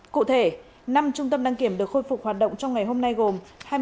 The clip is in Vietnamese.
cụ thể năm trung tâm đăng kiểm được khôi phục hoạt động trong ngày hôm nay gồm